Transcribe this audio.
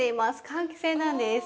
換気扇なんです。